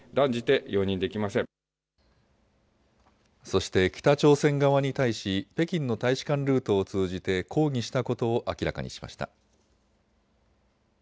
そして北朝鮮側に対し北京の大使館ルートを通じて抗議したことを明らかにしました。